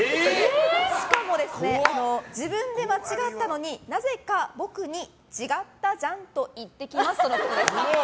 しかも、自分で間違ったのになぜか僕に違ったじゃんと言ってきますとのことでした。